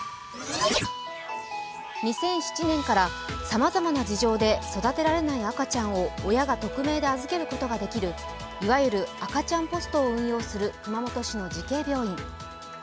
２００７年からさまざまな事情で育てられない赤ちゃんを親が匿名で預けることができるいわゆる赤ちゃんポストを運営する熊本市の慈恵病院。